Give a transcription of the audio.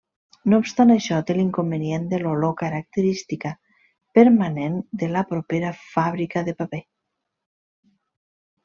No obstant això té l'inconvenient de l'olor característica, permanent, de la propera fàbrica de paper.